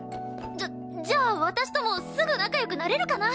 じゃじゃあ私ともすぐ仲良くなれるかな？